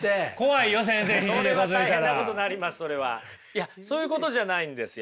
いやそういうことじゃないんですよ。